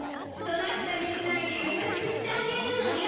怒鳴ったりしないで優しくしてあげるのよ。